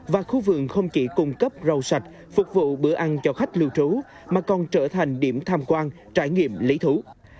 và khu vườn không chỉ cung cấp rau sạch phục vụ bữa ăn cho khách lưu trú mà còn trở thành điểm tham quan trải nghiệm lý thú